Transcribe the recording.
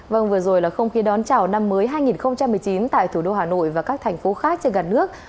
vâng vừa rồi là không khí đón chào năm mới hai nghìn một mươi chín tại thủ đô hà nội và các thành phố khác trên cả nước